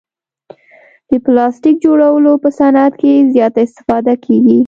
د پلاستیک جوړولو په صعنت کې زیاته استفاده کیږي.